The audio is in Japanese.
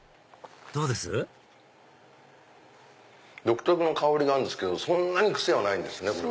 独特の香りがあるんですけどそんなに癖はないんですね。